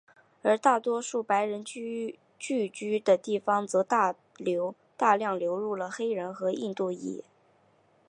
而大多数白人聚居的地方则大量流入了黑人和印度裔。